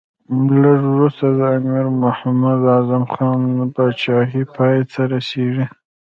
لږ وروسته د امیر محمد اعظم خان پاچهي پای ته رسېږي.